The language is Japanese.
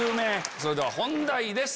それでは本題です。